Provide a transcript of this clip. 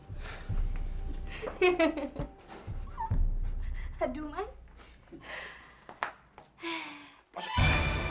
pasti jadi carrier spesifik coba capu diri